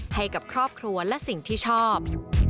ให้กับครอบครัวและสิ่งที่ชอบ